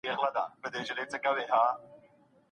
ګڼ خلګ تر نورو ژر اوږد ډنډ ړنګوي.